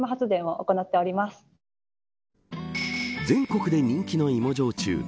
全国で人気の芋焼酎